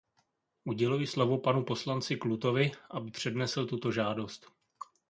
Uděluji slovo panu poslanci Klutovi, aby přednesl tuto žádost.